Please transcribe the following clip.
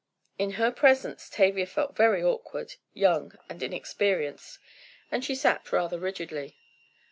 In her presence Tavia felt very awkward, young and inexperienced, and she sat rather rigidly.